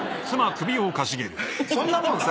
そんなもんさ